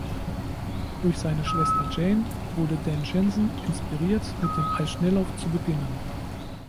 Durch seine Schwester Jane wurde Dan Jansen inspiriert, mit dem Eisschnelllauf zu beginnen.